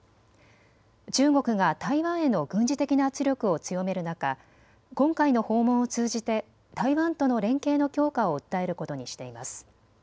中国が台湾への軍事的な圧力を強める中、今回の訪問を通じて台湾との連携の強化を訴えることにしています。